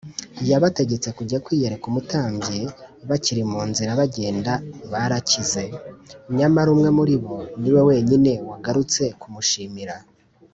yabategetse kujya kwiyereka umutambyi bakiri mu nzira bagenda barakize, nyamara umwe muri bo ni we wenyine wagarutse kumushimira